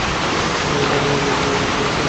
হ্যাঁ, এখানে অনেক যানজট।